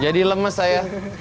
jadi lemes saya